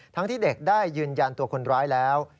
ที่เด็กได้ยืนยันตัวคนร้ายแล้ว